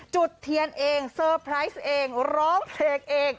จุดเทียนเองเซอร์ไพรส์เองร้องเพลงเอง